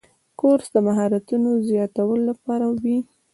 کورس د مهارتونو زیاتولو لپاره وي.